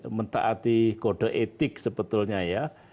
mentaati kode etik sebetulnya ya